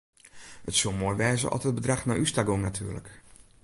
It soe moai wêze at it bedrach nei ús ta gong natuerlik.